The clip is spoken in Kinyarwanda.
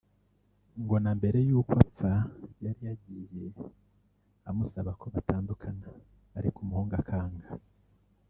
ngo na mbere y’uko apfa yari yagiye amusaba ko batandukana ariko umuhungu akanga